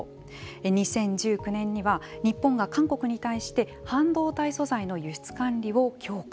２０１９年には日本が韓国に対して半導体素材の輸出管理を強化。